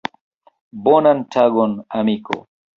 Bonan tagon, amiko.